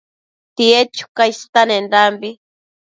tied chuca istenendambi